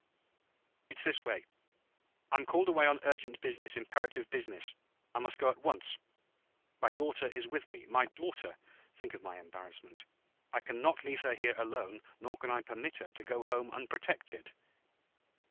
"It's this way; I'm called away on urgent business imperative business. I must go at once. My daughter is with me. My daughter! Think of my embarrassment; I can not leave her here, alone, nor can I permit her to go home unprotected."